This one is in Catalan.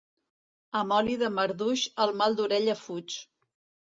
Amb oli de marduix el mal d'orella fuig.